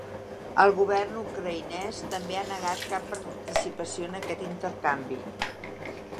El govern ucraïnès també ha negat cap participació en aquest intercanvi.